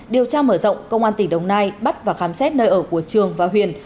điều tra mở rộng công an tỉnh đồng nai bắt và khám xét nơi ở của trường và huyền